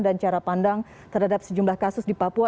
dan cara pandang terhadap sejumlah kasus di papua